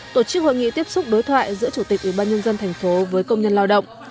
tổ chức hội nghị tiếp xúc đối thoại giữa chủ tịch ủy ban nhân dân thành phố với công nhân lao động